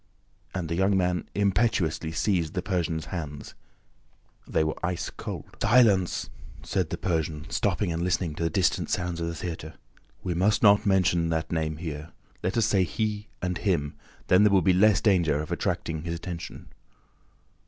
And the young man impetuously seized the Persian's hands. They were ice cold. "Silence!" said the Persian, stopping and listening to the distant sounds of the theater. "We must not mention that name here. Let us say 'he' and 'him;' then there will be less danger of attracting his attention."